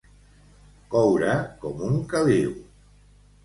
Coure com un caliu.